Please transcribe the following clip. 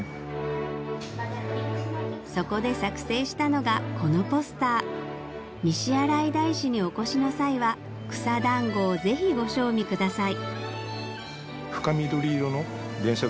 そこで作成したのがこのポスター「西新井大師にお越しの際は草だんごをぜひご賞味ください‼」